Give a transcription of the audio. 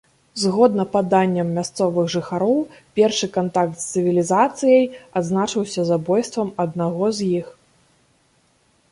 Згодна паданням мясцовых жыхароў, першы кантакт з цывілізацыяй адзначыўся забойствам аднаго з іх.